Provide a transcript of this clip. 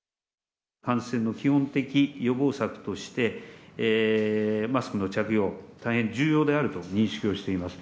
感染の基本的予防策として、マスクの着用、大変重要であると認識をしています。